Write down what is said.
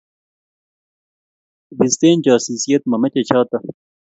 bisten chosisyet momeche choto!